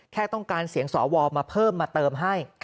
แค่ต้องการเสียงสวมาเพิ่มมาเติมให้